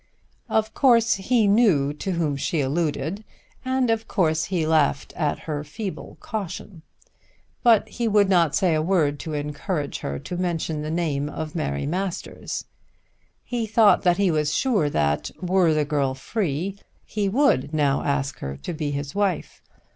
Of course he knew to whom she alluded, and of course he laughed at her feeble caution. But he would not say a word to encourage her to mention the name of Mary Masters. He thought that he was sure that were the girl free he would now ask her to be his wife.